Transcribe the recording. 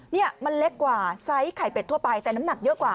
เนี่ยมันเล็กกว่าไซส์ไข่เป็ดทั่วไปแต่น้ำหนักเยอะกว่า